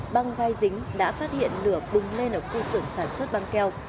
băng vai dính đã phát hiện lửa bùng lên ở khu sưởng sản xuất băng keo